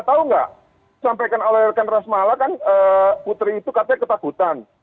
tahu nggak sampaikan alergen rasmala kan putri itu katanya ketakutan